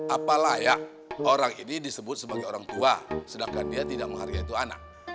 apalagi orang ini disebut sebagai orang tua sedangkan dia tidak menghargai itu anak